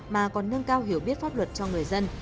mà còn nâng cao hiểu biết pháp luật cho người dân